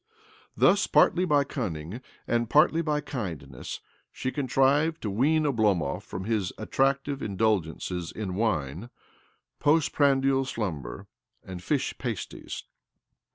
Thus, ^ partly cunning and partly by kindness, she cc trived to wean Oblomov from' his attract] indulgences in wine, postprandial slumb and fish pasties.